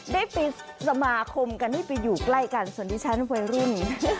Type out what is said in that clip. ได้ไปสมาคมกันให้ไปอยู่ใกล้กันส่วนดิฉันวัยรุ่น